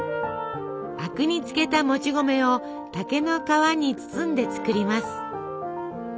灰汁につけたもち米を竹の皮に包んで作ります。